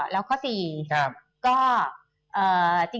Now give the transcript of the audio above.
แล้วข้อสี่